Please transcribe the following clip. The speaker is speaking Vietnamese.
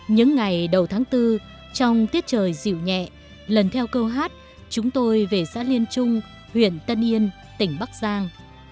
những ngày đầu tháng bốn trong tiết trời dịu nhẹ lần theo câu hát chúng tôi về xã liên trung huyện tân yên tỉnh bắc giang